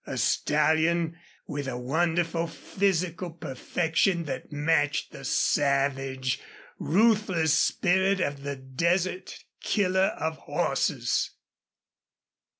A stallion with a wonderful physical perfection that matched the savage, ruthless spirit of the desert killer of horses!